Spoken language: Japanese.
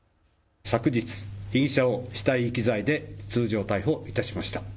昨日、被疑者を死体遺棄罪で通常逮捕しました。